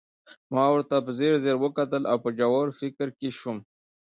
ما ورته په ځیر ځير وکتل او په ژور فکر کې شوم